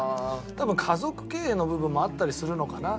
多分家族経営の部分もあったりするのかな？